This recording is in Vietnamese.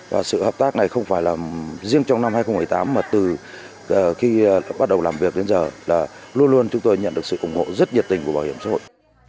và sự hợp tác này không phải là riêng trong năm hai nghìn một mươi tám mà từ khi bắt đầu làm việc đến giờ là luôn luôn chúng tôi nhận được sự ủng hộ rất nhiệt tình của bảo hiểm xã hội